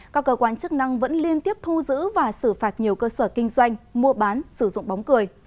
các cơ quan chức năng vẫn liên tiếp thu giữ và xử phạt nhiều cơ sở kinh doanh mua bán sử dụng bóng cười